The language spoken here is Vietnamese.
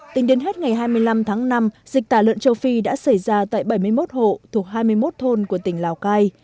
tính đến hết ngày hai mươi năm tháng năm dịch tả lợn châu phi đã xảy ra tại bảy mươi một hộ thuộc hai mươi một thôn của tỉnh lào cai